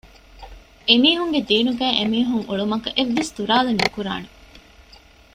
އެމީހުންގެ ދީނުގައި އެމިހުން އުޅުމަކަށް އެއްވެސް ތުރާލެއް ނުކުރާނެ